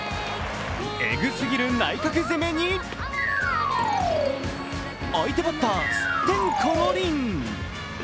えぐすぎる内角攻めに相手バッター、すってんころりん。